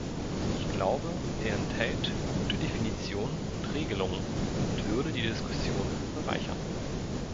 Ich glaube, er enthält gute Definitionen und Regelungen und würde die Diskussion bereichern.